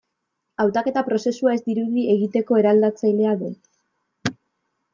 Hautaketa prozesua ez dirudi egiteko eraldatzailea denik.